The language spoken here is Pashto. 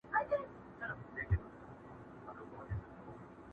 شمع هم د جهاني په غوږ کي وايي!!